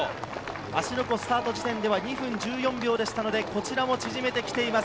芦ノ湖スタート時点では２分１４秒でしたので、こちらも縮めてきています。